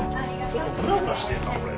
ちょっとグラグラしてんなこれ。